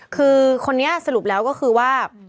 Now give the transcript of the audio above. คือคนนี้สรุปแล้วก็คือว่า